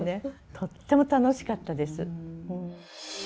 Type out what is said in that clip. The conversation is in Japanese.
とっても楽しかったです。